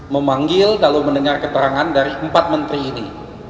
memanggil lalu mendengar keterangan dari empat menteri ini